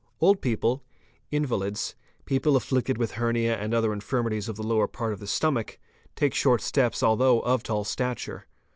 Old people, invalids, people afflicted with hernia and other infirmities of the lower part of the stomach, take short steps although of tall stature.